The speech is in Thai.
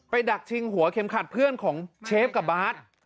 ดักชิงหัวเข็มขัดเพื่อนของเชฟกับบาร์ด